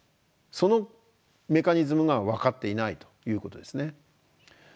そのメカニズムが分かっていないということですね。